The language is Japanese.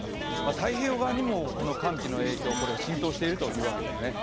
太平洋側にも寒気の影響が浸透しているというわけですね。